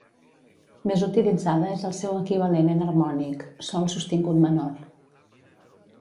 Més utilitzada és el seu equivalent enharmònic, sol sostingut menor.